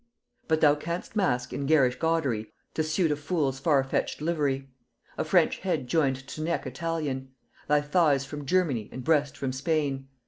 But thou can'st mask in garish gaudery, To suit a fool's far fetched livery. A French head joined to neck Italian, Thy thighs from Germany and breast from Spain.